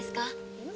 うん。